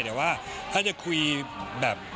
แต่ว่าถ้าจะคุยแบบ